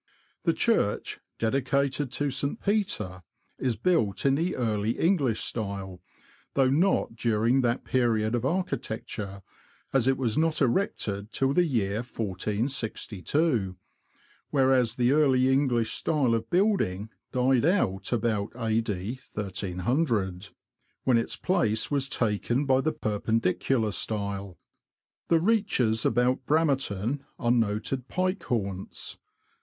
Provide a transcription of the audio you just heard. The church, dedicated to St. Peter, is built in the Early English style, though not during that period of architecture, as it was not erected till the year 1462, whereas the Early English style of building died out about A.D. 1300, when its LOWESTOFT TO NORWICH. 61 place was taken by the Perpendicular style. The reaches about Bramerton are noted pike haunts.